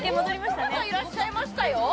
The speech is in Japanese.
もう一方いらっしゃいましたよ。